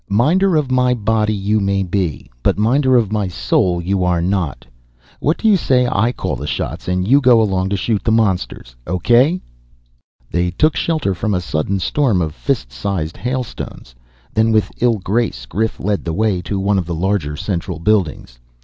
"Minder of my body you may be. But minder of my soul you are not. What do you say I call the shots and you go along to shoot the monsters? O.K.?" They took shelter from a sudden storm of fist sized hailstones. Then, with ill grace, Grif led the way to one of the larger, central buildings.